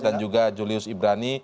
dan juga julius ibrani